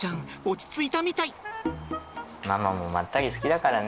落ち着いたみたい！